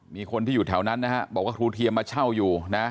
มีคนที่อยู่แถวนั้นนะฮะบอกว่าครูเทียมมาเช่าอยู่นะ